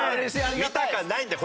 見たかないんだよ